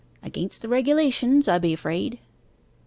'Against the regulations, I be afraid.